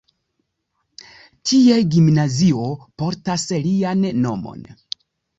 Tie gimnazio portas lian nomon.